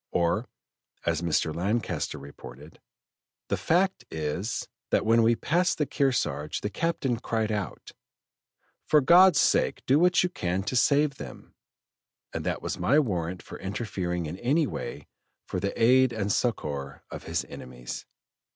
Or, as Mr. Lancaster reported: "The fact is, that when we passed the Kearsarge the captain cried out, 'For God's sake do what you can to save them;' and that was my warrant for interfering in any way for the aid and succor of his enemies."